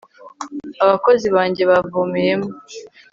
abakozi banjye bavomeyemo